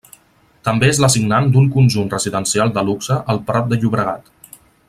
També és la signant d'un conjunt residencial de luxe al Prat de Llobregat.